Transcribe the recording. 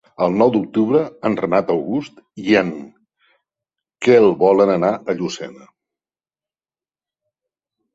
El nou d'octubre en Renat August i en Quel volen anar a Llucena.